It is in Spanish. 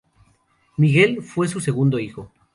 Miguel fue su segundo hijo.